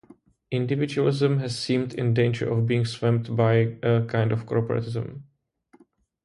Individualism has seemed in danger of being swamped by a kind of corporatism.